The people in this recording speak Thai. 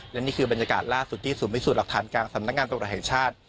และนี่คือบรรยากาศล่าสุดที่สุดไม่สุดหลักฐานการสำนักงานตรงแหลกแห่งชาติ